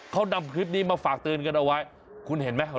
เขานำคลิปนี้มาฝากเตือนกันเอาไว้คุณเห็นไหม